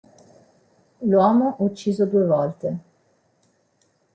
L'uomo ucciso due volte